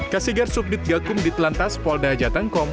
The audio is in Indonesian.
kasigar subdit gokum ditlantas polda jatengkom